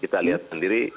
kita lihat sendiri